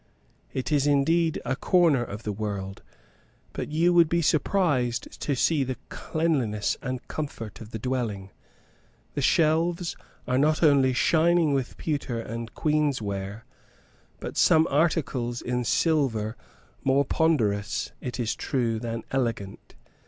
It is indeed a corner of the world, but you would be surprised to see the cleanliness and comfort of the dwelling. The shelves are not only shining with pewter and queen's ware, but some articles in silver, more ponderous, it is true, than elegant.